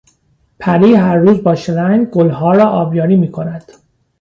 پری هر روز با شیلنگ گلها را آبیاری میکند.